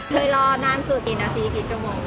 เลยรอนานคือกี่นาทีกี่ชั่วโมง